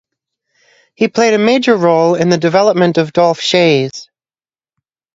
He played a major role in the development of Dolph Schayes.